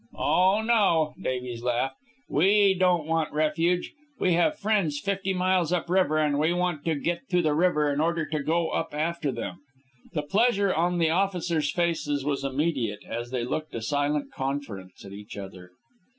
"Oh, no," Davies laughed. "We don't want refuge. We have friends fifty miles up river, and we want to get to the river in order to go up after them." The pleasure on the officers' faces was immediate as they looked a silent conference at each other.